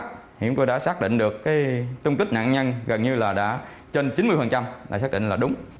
thì chúng tôi đã xác định được cái tung tích nạn nhân gần như là đã trên chín mươi là xác định là đúng